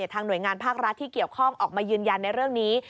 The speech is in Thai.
ทางหน่วยงานภาครัฐที่เกี่ยวข้องออกมายืนยันในเรื่องนี้